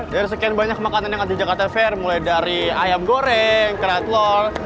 dari sekian banyak makanan yang ada di jakarta fair mulai dari ayam goreng kerat telur